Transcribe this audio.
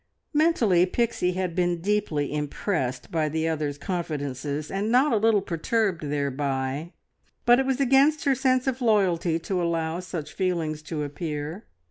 Mentally Pixie had been deeply impressed by the other's confidences, and not a little perturbed thereby, but it was against her sense of loyalty to allow such feelings to appear.